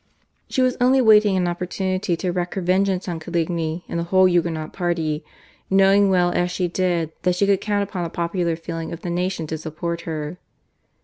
She was only waiting an opportunity to wreak her vengeance on Coligny and the whole Huguenot party, knowing well as she did that she could count upon the popular feeling of the nation to support her.